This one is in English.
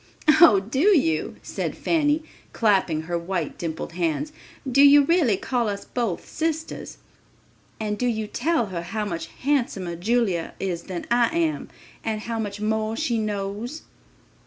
"Oh, do you," said Fanny, clapping her white, dimpled hands, "do you really call us both sisters? And do you tell her how much handsomer Julia is than I am, and how much more she knows?"